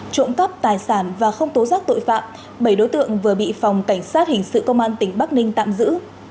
trộm cắp tài sản và không tố giác tội phạm bảy đối tượng vừa bị phòng cảnh sát hình sự công an tỉnh bắc ninh tạm giữ